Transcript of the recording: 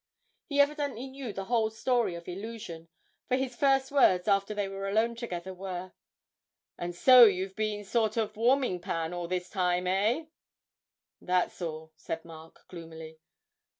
He evidently knew the whole story of 'Illusion,' for his first words after they were alone together were, 'And so you've been a sort of warming pan all this time, eh?' 'That's all,' said Mark, gloomily.